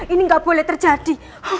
ini nggak boleh terjadi